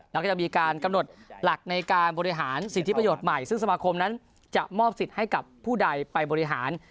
แล้วก็จะมีการกำหนดหลักในการบริหารสิทธิประโยชน์ใหม่ซึ่งสมาคมนั้นจะมอบสิทธิ์ให้กับผู้ใดไปบริหาร